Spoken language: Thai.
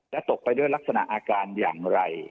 ตกไปด้วยลักษณะอาการอย่างไร